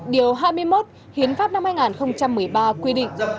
điều hai mươi một hiến pháp năm hai nghìn một mươi ba quy định